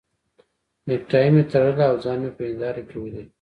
نېکټایي مې تړله او ځان مې په هنداره کې ولید.